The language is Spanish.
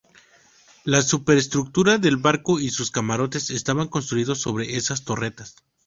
La superestructura del barco y sus camarotes estaban construidos sobre esas torretas.